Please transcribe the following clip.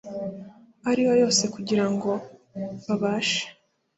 ariyo yose kugira ngo babashe